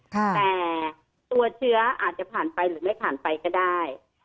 แต่ตัวเชื้ออาจจะผ่านไปหรือไม่ผ่านไปก็ได้